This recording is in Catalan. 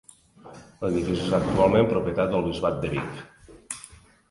L'edifici és actualment propietat del Bisbat de Vic.